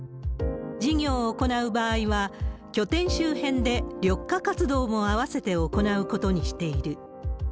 事業を行う場合は拠点周辺で緑化活動も併せて行うことにしている。